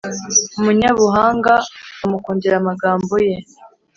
Umunyabuhanga bamukundira amagambo ye,